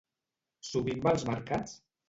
Sovint va als mercats?